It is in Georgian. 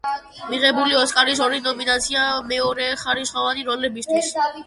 მიღებული აქვს ოსკარის ორი ნომინაცია მეორეხარისხოვანი როლებისთვის.